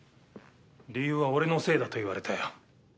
理由は俺のせいだと言われたよ。